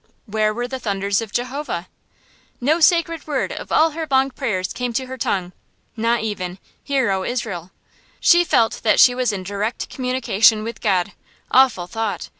Where were the thunders of Jehovah? No sacred word of all her long prayers came to her tongue not even "Hear, O Israel." She felt that she was in direct communication with God awful thought!